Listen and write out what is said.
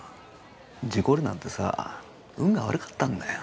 事故るなんてさ運が悪かったんだよ